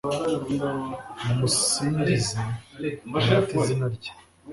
mumusingize, murate izina rye